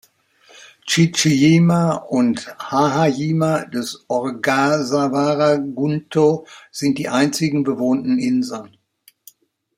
Chichi-jima und Haha-jima des Ogasawara-guntō sind die einzigen bewohnten Inseln.